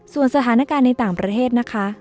ส่วนสถานการณ์ในต่างประเทศนะคะ